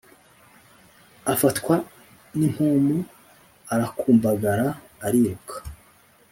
Afatwa n'impumu arakumbagara ariruka